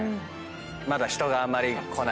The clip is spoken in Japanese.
まだ人があんまり来ない。